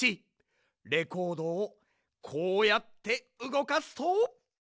レコードをこうやってうごかすと。